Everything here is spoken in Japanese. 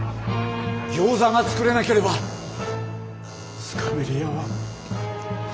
ギョーザが作れなければスカベリアは。